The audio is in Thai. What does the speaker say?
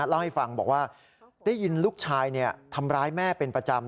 เล่าให้ฟังบอกว่าได้ยินลูกชายทำร้ายแม่เป็นประจำ